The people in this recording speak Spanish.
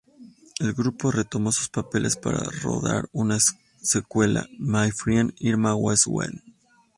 El grupo retomó sus papeles para rodar una secuela, "My Friend Irma Goes West".